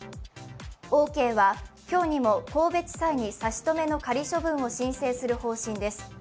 オーケーは今日もにも神戸地裁に差し止めの仮処分を申請する方針です。